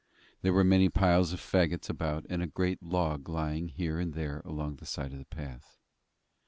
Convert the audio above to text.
There were many piles of fagots about, and a great log lying here and there along the side of the path.